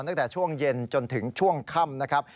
ตั้งแต่ช่วงเย็นจนถึงช่วงค่ำนะครับ